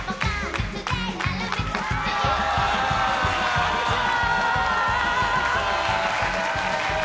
こんにちは！